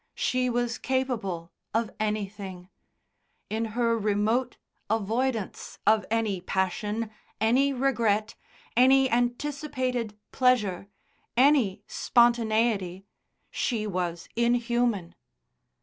She was capable of anything; in her remote avoidance of any passion, any regret, any anticipated pleasure, any spontaneity, she was inhuman.